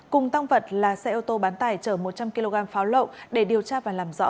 cùng tăng vật là xe ô tô bán tải chở một trăm linh kg pháo lậu để điều tra và làm rõ